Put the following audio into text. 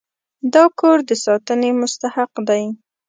دا کور د ساتنې مستحق دی.